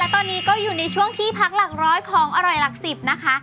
ตอนนี้ก็อยู่ในช่วงที่พักหลักร้อยของอร่อยหลัก๑๐นะคะ